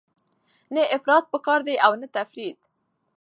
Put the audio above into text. نه افراط پکار دی او نه تفریط.